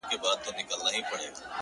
• خدايه دا ټـپه مي په وجود كـي ده،